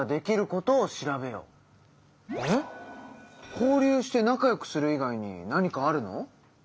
交流して仲良くする以外に何かあるの？